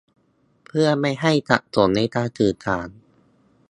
เพื่อไม่ให้สับสนในการสื่อสาร